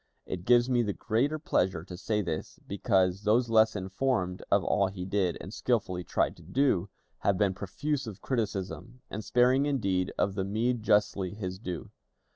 It gives me the greater pleasure to say this, because those less informed of all he did, and skillfully tried to do, have been profuse of criticism, and sparing indeed of the meed justly his due.